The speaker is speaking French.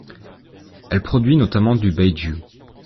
Elle produit notamment du baijiu.